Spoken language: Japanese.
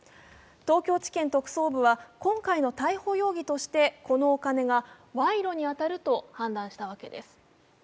東京地検特捜部は今回の逮捕容疑としてこのお金が賄賂に当たると判断したわけです。